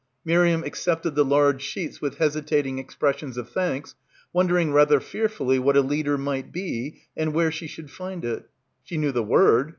Miriam accepted the large sheets with hesitating expressions of thanks, wondering rather fearfully what a leader might be and where she should find it. She knew the word.